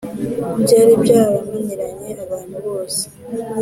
byali byarananiranye abantu bose